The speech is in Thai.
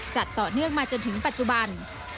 จัดต่อเนื่องมาจนถึงปัจจุบัน